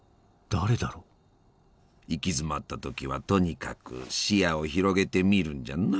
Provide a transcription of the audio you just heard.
行き詰まった時はとにかく視野を広げてみるんじゃな。